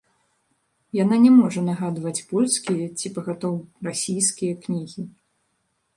Яна не можа нагадваць польскія ці пагатоў расійскія кнігі.